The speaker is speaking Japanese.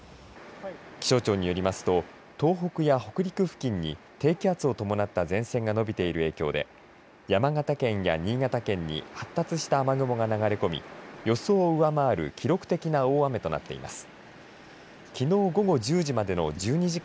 気象庁によりますと東北や北陸付近に低気圧を伴った前線が伸びている影響で山形県や新潟県に発達した雨雲が流れ込み予想を上回る記録的な大雨となっています。